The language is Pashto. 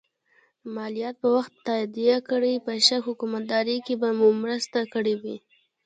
مالیات په وخت تادیه کړئ په ښه حکومتدارۍ کې به مو مرسته کړي وي.